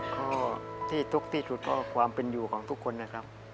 ข้อที่ทุกข์ที่สุดก็ความเป็นอยู่ของทุกคนนะครับ